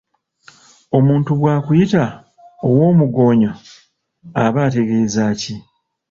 Omuntu bwakuyita ow'omugoonyo aba ategeeza ki?